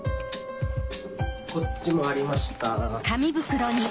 こっちもありました。